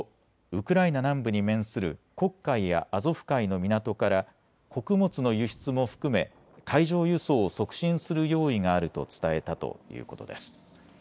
ウクライナ南部に面する黒海やアゾフ海の港から穀物の輸出も含め海上輸送を促進する用意があると伝えたということです。